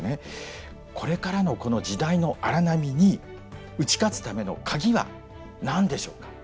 これからのこの時代の荒波に打ち勝つためのカギは何でしょうか？